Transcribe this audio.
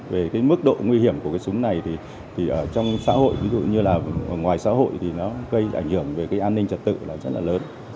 về cái mức độ nguy hiểm của cái súng này thì ở trong xã hội ví dụ như là ngoài xã hội thì nó gây ảnh hưởng về cái an ninh trật tự là rất là lớn